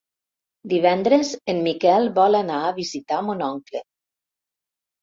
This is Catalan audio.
Divendres en Miquel vol anar a visitar mon oncle.